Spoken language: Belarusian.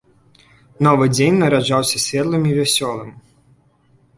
Новы дзень нараджаўся светлым і вясёлым.